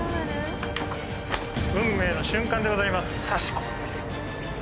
運命の瞬間でございます